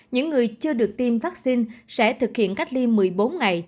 những người chưa được tiêm vaccine sẽ thực hiện cách ly một mươi bốn ngày